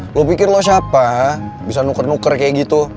lo pikir lo siapa bisa nuker nuker kayak gitu